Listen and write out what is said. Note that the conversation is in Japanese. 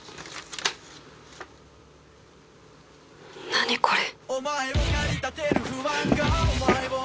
何これ。